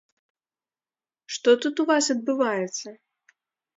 Што тут у вас адбываецца?